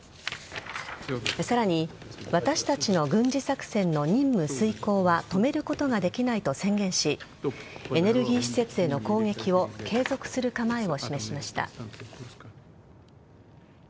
さらに私たちの軍事作戦の任務遂行は止めることはできないと宣言しエネルギー施設への攻撃を継続する構えを示しました。